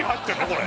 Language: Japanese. これ。